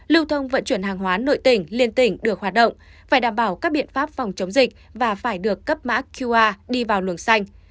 lưu thông vận chuyển hàng hóa nội tỉnh liên tỉnh được hoạt động phải đảm bảo các biện pháp phòng chống dịch và phải được cấp mã qr đi vào luồng xanh